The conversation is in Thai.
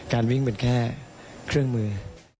การวิ่งเป็นแค่เครื่องมือ